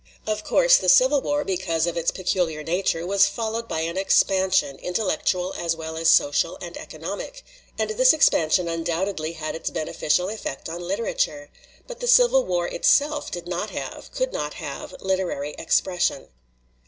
"Of course, the Civil War, because of its peculiar 5 LITERATURE IN THE MAKING nature, was followed by an expansion, intellectual as well as social and economic. And this expan sion undoubtedly had its beneficial effect on lit erature. But the Civil War itself did not have, could not have, literary expression.